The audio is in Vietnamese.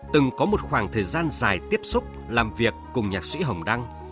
từng có một khoảng thời gian dài tiếp xúc làm việc cùng nhạc sĩ hồng đăng